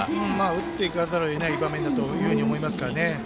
打っていかざるをえない場面だと思います。